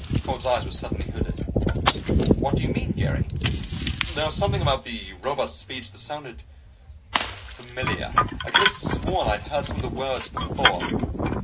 Coltz's eyes were suddenly hooded. "What do you mean, Jerry?" "There was something about the Robot's speech that sounded familiar I could have sworn I'd heard some of the words before.